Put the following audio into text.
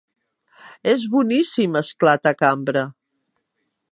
És boníssim! —esclata Cambra.